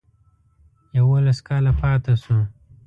یوولس کاله پاته شو.